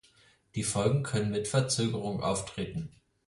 Die Folgen können mit Verzögerung auftreten.